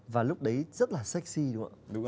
và lúc đấy rất là sexy đúng không ạ